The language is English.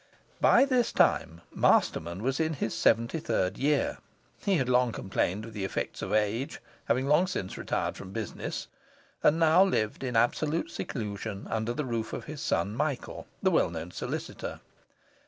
By this time Masterman was in his seventy third year; he had long complained of the effects of age, had long since retired from business, and now lived in absolute seclusion under the roof of his son Michael, the well known solicitor.